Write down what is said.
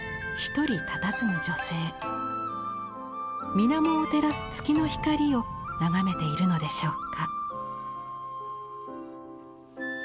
水面を照らす月の光を眺めているのでしょうか。